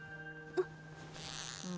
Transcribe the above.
あっ。